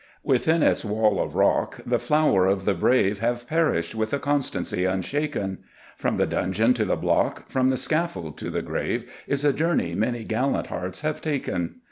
Within its wall of rock The flower of the brave Have perished with a constancy unshaken. From the dungeon to the block, From the scaffold to the grave, Is a journey many gallant hearts have taken.